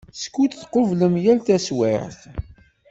Skud tqublem yal taswiɛt.